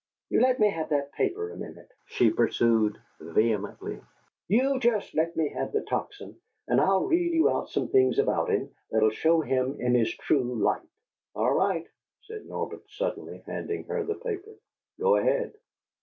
You let me have that paper a minute," she pursued, vehemently; "you just let me have the Tocsin and I'll read you out some things about him that 'll show him in his true light!" "All right," said Norbert, suddenly handing her the paper. "Go ahead."